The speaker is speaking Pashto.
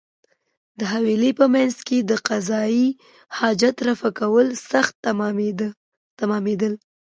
د حویلۍ په مېنځ کې د قضای حاجت رفع کول سخت تمامېدل.